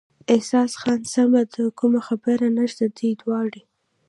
احسان خان: سمه ده، کومه خبره نشته، دوی دواړې.